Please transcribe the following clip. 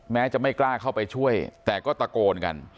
แม้จะไม่กล้าเข้าไปช่วยแต่ก็ตะโกนกัน